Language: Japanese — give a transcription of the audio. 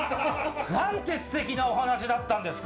なんて素敵なお話だったんですか。